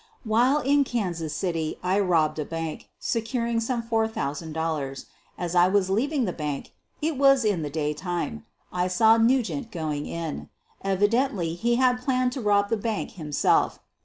While in Kansas City I robbed a bank, securing some four thousand dollars. As I was leaving the bank — it was in the day time — I saw Nugent going in. Evidently he had planned to rob the bank him self.